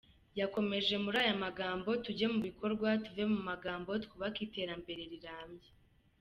Yakomeje muri aya magambo : “Tujye mu bikorwa, tuve mu magambo, twubake iterambere rirambye.